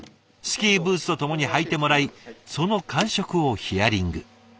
スキーブーツとともに履いてもらいその感触をヒアリング。